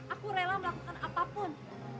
aku rela melakukan apapun